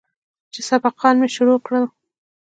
چې سبقان مې شروع کړل.